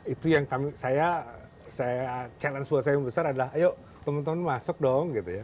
itu yang saya challenge buat saya yang besar adalah ayo teman teman masuk dong gitu ya